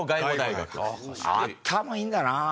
頭いいんだな。